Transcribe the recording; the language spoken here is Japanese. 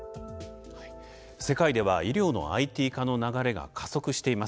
世界では医療のＩＴ化の流れが加速しています。